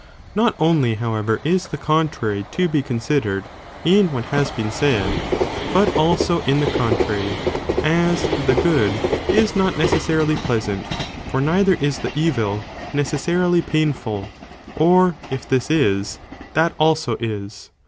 Not only however is the contrary to be con sidered in what has been said, but also in the con contrary spre. trary, as that the good is not necéssarily pleasant, dicated of the for neither is the evil (necessarily) painful, or if ΟΣ this is, that also is